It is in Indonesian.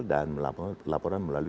dan laporan melalui